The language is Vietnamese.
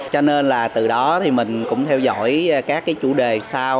cho nên là từ đó thì mình cũng theo dõi các cái chủ đề sau